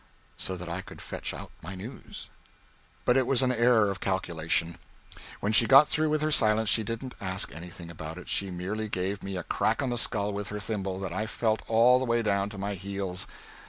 so that I could fetch out my news. But it was an error of calculation. When she got through with her silence she didn't ask anything about it she merely gave me a crack on the skull with her thimble that I felt all the way down to my heels.